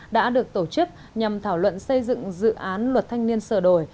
đã được tổ chức nhằm thảo luận xây dựng dự án luật thanh niên sửa đổi